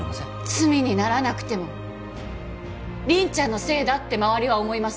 罪にならなくても凛ちゃんのせいだって周りは思います。